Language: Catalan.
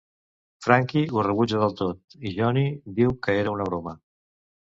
Frankie ho rebutja del tot i Johnny diu que era una broma.